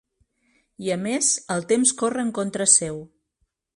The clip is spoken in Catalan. I a més, el temps corre en contra seu.